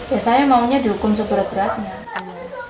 ya saya maunya dihukum seberat beratnya